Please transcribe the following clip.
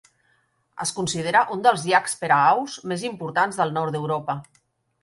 Es considera un dels llacs per a aus més importants del nord d'Europa.